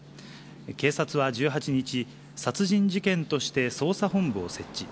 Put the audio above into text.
警察は１８日、殺人事件として捜査本部を設置。